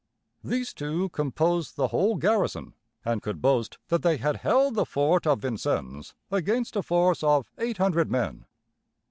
These two composed the whole garrison, and could boast that they had held the fort of Vincennes against a force of eight hundred men.